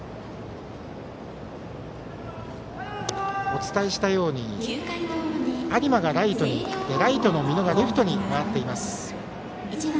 お伝えしたように有馬がライトに行ってライトの美濃がレフトに回っています。